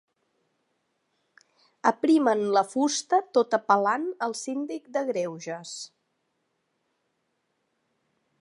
Aprimen la fusta tot apel·lant al Síndic de Greuges.